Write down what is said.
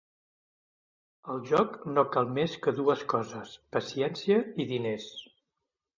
Al joc no cal més que dues coses: paciència i diners.